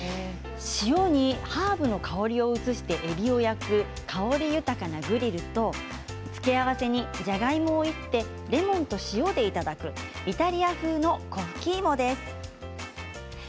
塩にハーブの香りを移してえびを焼く香り豊かなグリルと付け合わせに、じゃがいもを炒ってレモンと塩でいただくイタリア風の粉ふきいもです。